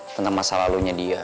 tentang masa lalunya dia